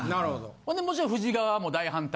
ほんでもちろんフジ側も大反対。